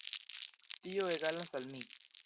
Tio egalas al mi.